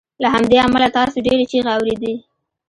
له همدې امله تاسو ډیرې چیغې اوریدې